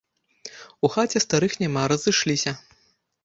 У хаце старых няма, разышліся.